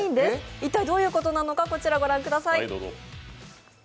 一体どうなのか、こちら御覧ください。